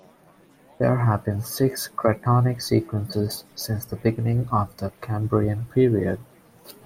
There have been six cratonic sequences since the beginning of the Cambrian Period.